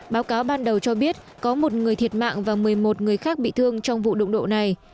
nó ban đầu cho biết có một người thiệt mạng và một mươi một người khác bị thương trong vụ động độ này